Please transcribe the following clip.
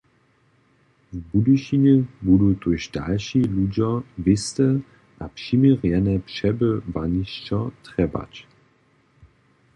W Budyšinje budu tuž dalši ludźo wěste a přiměrjene přebywanišćo trjebać.